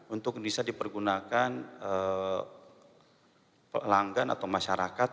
untuk bisa dipergunakan pelanggan atau masyarakat